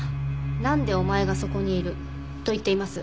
「なんでお前がそこにいる」と言っています。